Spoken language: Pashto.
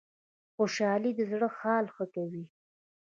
خوشحالي د زړه حال ښه کوي